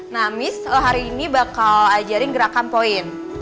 nah miss hari ini bakal ajarin gerakan poin